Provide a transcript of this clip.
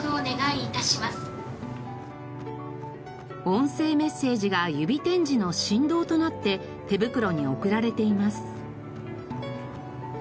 音声メッセージが指点字の振動となって手袋に送られています。